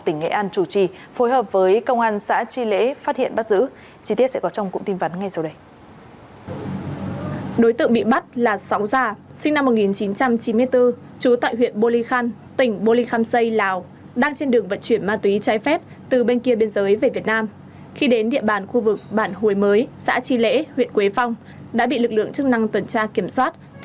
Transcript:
điều đáng tiếc đám cháy quá lớn xảy ra giữa đêm khuya nên hai nạn nhân là vợ chồng ông nguyễn thanh sinh năm một nghìn chín trăm chín mươi bốn đã tử vong trước khi lực lượng chức năng tiếp cận hiện trường